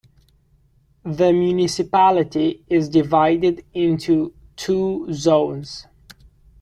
The municipality is divided into two zones.